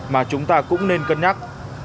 mà chúng ta cũng nên cân nhắc